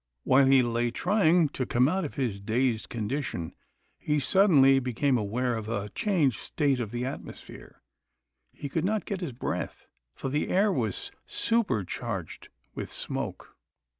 While he lay trying to come out of his dazed condition, he suddenly became aware of a changed state of the atmosphere. He could not get his breath, for the air was surcharged with smoke.